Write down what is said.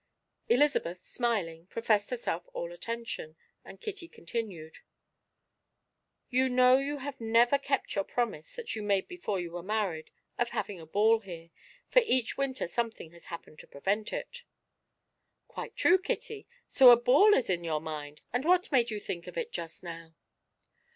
Elizabeth, smiling, professed herself all attention, and Kitty continued: "You know you have never kept your promise, that you made before you were married, of having a ball here, for each winter something has happened to prevent it." "Quite true, Kitty; so a ball is in your mind; and what made you think of it just now?"